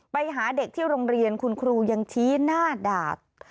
ไปหาเด็กที่โรงเรียนคุณครูยังชี้หน้าด่า